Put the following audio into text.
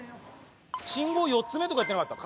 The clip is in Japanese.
信号４つ目とか言ってなかった？